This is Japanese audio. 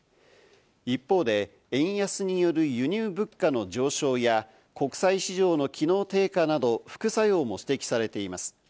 一方で、円安による輸入物価の上昇や、国債市場の機能低下など、副作用も指摘されています。